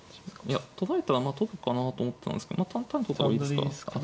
いや取られたらまあ取るかなと思ったんですけどまあ単単と取りですか。